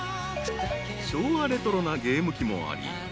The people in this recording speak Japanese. ［昭和レトロなゲーム機もあり